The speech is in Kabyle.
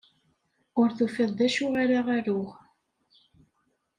Ur tufiḍ d acu ara aruɣ.